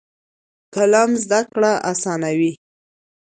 قلم زده کړه اسانوي.